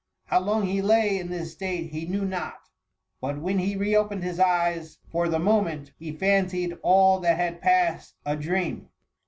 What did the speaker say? How long he lay in this state he knew iiot ; but when he re opened his eyes, for the mo ment, he fancied all that had passed a dream.